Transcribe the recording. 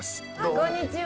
こんにちは。